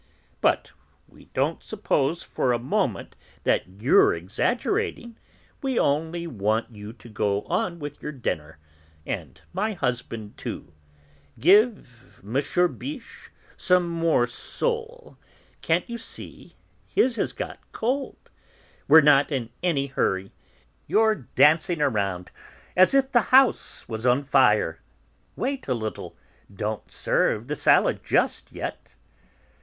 "But we don't suppose for a moment that you're exaggerating; we only want you to go on with your dinner, and my husband too. Give M. Biche some more sole, can't you see his has got cold? We're not in any hurry; you're dashing round as if the house was on fire. Wait a little; don't serve the salad just yet."